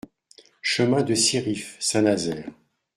Chemin de Siriff, Saint-Nazaire